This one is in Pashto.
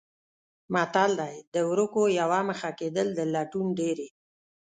متل دی: د ورکو یوه مخه کېدل د لټون ډېرې.